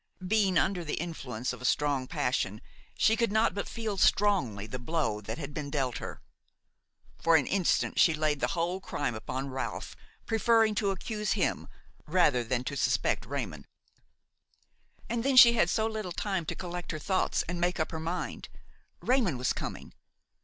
Being under the influence of a strong passion she could not but feel strongly the blow that had been dealt her. For an instant she laid the whole crime upon Ralph, preferring to accuse him rather than to suspect Raymon. And then she had so little time to collect her thoughts, and make up her mind: Raymon was coming.